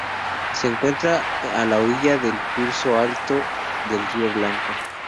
Se encuentra a la orilla del curso alto del río Blanco.